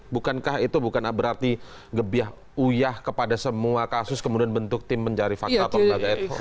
bukankah itu bukan berarti gebiah uyah kepada semua kasus kemudian bentuk tim pencari fakta atau lembaga ad hoc